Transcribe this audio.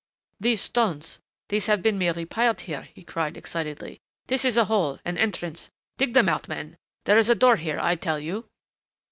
"These stones these have been merely piled here," he cried excitedly. "This is a hole an entrance. Dig them out, men. There is a door there, I tell you."